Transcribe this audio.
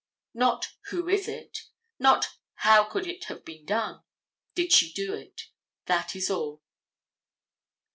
Not who is it? Not how could it have been done? Did she do it? That is all.